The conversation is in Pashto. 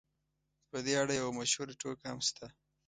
په دې اړه یوه مشهوره ټوکه هم شته.